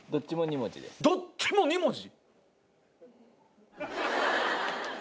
どっちも２文字？